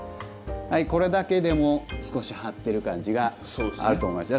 これだけでも少し張ってる感じがあると思います。